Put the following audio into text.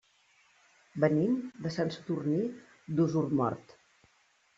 Venim de Sant Sadurní d'Osormort.